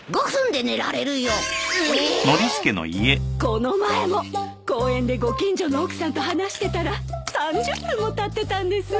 この前も公園でご近所の奥さんと話してたら３０分もたってたんです。